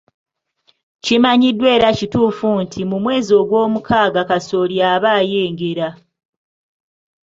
Kimanyiddwa era kituufu nti ,mu mwezi ogwomukaaga kasooli aba ayengera.